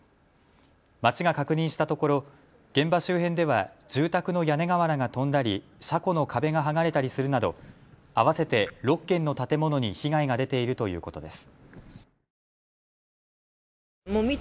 町が確認したところ現場周辺では住宅の屋根瓦が飛んだり車庫の壁が剥がれたりするなど合わせて６軒の建物に被害が出ているということです。